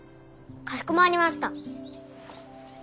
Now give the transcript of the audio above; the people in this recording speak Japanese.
かしこまりました。